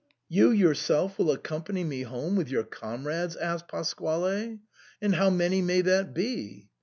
" You yourself will accompany me home, with your comrades ?" asked Pasquale ;" and how many may that be